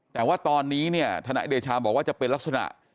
แต่ว่าตอนนี้เนี่ยทนายเดชาบอกว่าจะเป็นลักษณะ